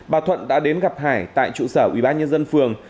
bà thuận đã đến gặp hải tại trụ sở ủy ban nhân dân phường